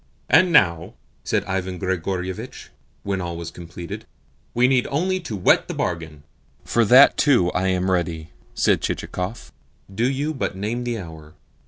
"And now," said Ivan Grigorievitch when all was completed, "we need only to wet the bargain." "For that too I am ready," said Chichikov. "Do you but name the hour.